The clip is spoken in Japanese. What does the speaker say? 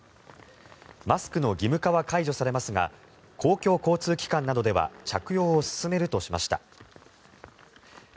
マスクの義務化は解除されますが公共交通機関などでは着用を勧めるとしました。